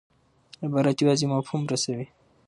عبارت یوازي مفهوم رسوي.